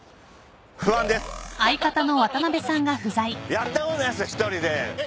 やったことないんすよ１人で。